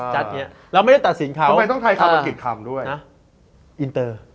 อ้อจบนอกเหรอ